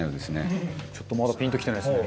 ちょっとまだピンときてないですね。